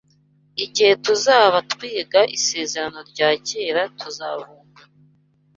Igihe tuzaba twiga Isezerano rya Kera tuzavumbura